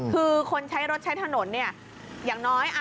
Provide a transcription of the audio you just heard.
คือคนใช้รถใช้ถนนเนี่ยอย่างน้อย